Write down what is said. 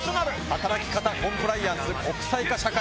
働き方コンプライアンス国際化社会。